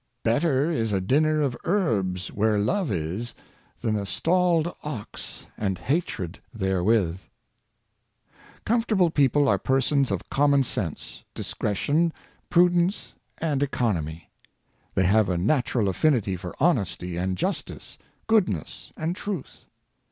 '' Better is a dinner of herbs where love is, than a stalled ox and hatred therewith." Comfortable people are persons of common sense, discretion, prudence, and economy. They have a natu ral affinity for honesty and justice, goodness and truth.